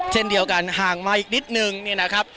เช่นเดียวกันห่างมาอีกนิดนึงเนี่ยนะครับ